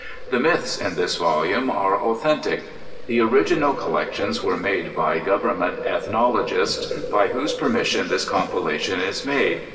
The myths in this volume are authentic. The original collections were made by government ethnologists, by whose permission this compilation is made.